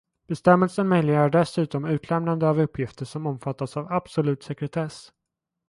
Bestämmelsen möjliggör dessutom utlämnande av uppgifter som omfattas av absolut sekretess.